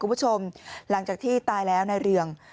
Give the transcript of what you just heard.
คุณผู้ชมหลังจากที่ตายแล้วนายเรือง